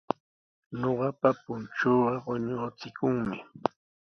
Ñuqapa punchuuqa quñuuchikunmi.